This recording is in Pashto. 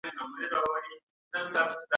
د کندهارپه صنعت کي د کیفیت معیارونه څه دي؟